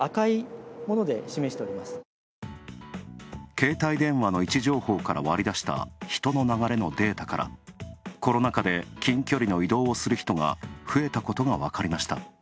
携帯電話の位置情報から割り出した、人の流れのデータからコロナ禍で近距離の移動をする人が増えたことがわかりました。